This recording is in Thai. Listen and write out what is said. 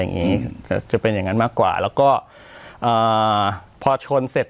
อย่างงี้จะจะเป็นอย่างนั้นมากกว่าแล้วก็อ่าพอชนเสร็จ